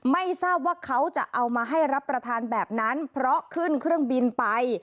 ไม่ทราบว่าเขาจะเอามาให้รับประทานแบบนั้นเพราะขึ้นเครื่องบินไป